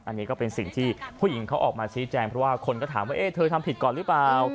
อันนี้ก็เป็นสิ่งที่ผู้หญิงเขาออกมาชี้แจงเพราะว่าคนก็ถามว่าเธอทำผิดก่อนหรือเปล่า